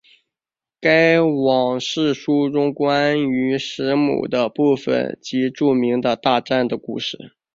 该往世书中关于时母的部分即著名的大战的故事。